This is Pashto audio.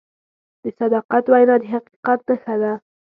د صداقت وینا د حقیقت نښه ده.